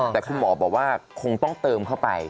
แต่คุณหมอบอกว่าคงต้องเติมเข้าไป